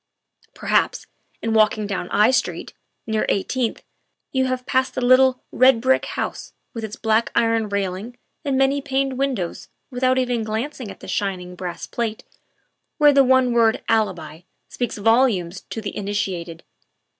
Perhaps, in walking down I Street, near Eighteenth, you have passed the little, red brick house with its black iron railing and many paned win dows without even glancing at the shining brass plate where the one word "Alibi" speaks volumes to the in itiated.